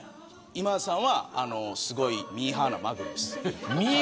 今田さんはミーハーなマグルです。